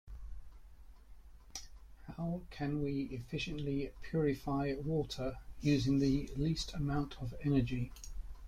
How can we efficiently purify water using the least amount of energy?